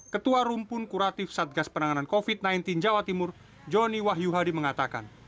ketua rumpun kuratif satgas penanganan covid sembilan belas jawa timur joni wahyu hadi mengatakan